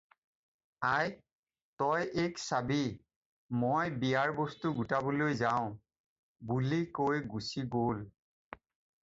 "আই, তই এইক চাবি, মই বিয়াৰ বস্তু গোটাবলৈ যাওঁ" বুলি কৈ গুচি গ'ল।"